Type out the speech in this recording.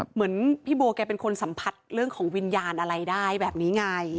เหมือนพี่โบแกเป็นคนสัมผัสเรื่องของวิญญาณอะไรได้แบบนี้ไง